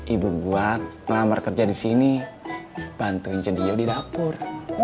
ibu buat ngelamar kerja di sini bantuin sendiri di dapur